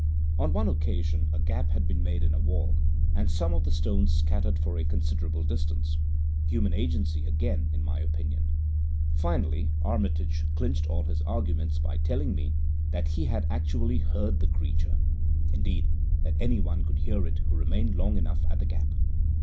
On one occasion a gap had been made in a wall, and some of the stones scattered for a considerable distance. Human agency again, in my opinion. Finally, Armitage clinched all his arguments by telling me that he had actually heard the Creature indeed, that anyone could hear it who remained long enough at the Gap.